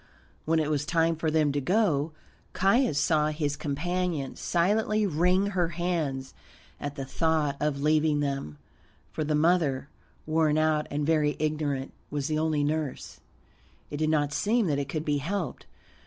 When it was time for them to go, Caius saw his companion silently wring her hands at the thought of leaving them, for the mother, worn out and very ignorant, was the only nurse. It did not seem that it could be helped.